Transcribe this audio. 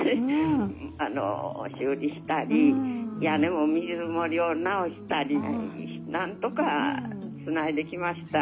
あの修理したり屋根も水漏れを直したりなんとかつないできました。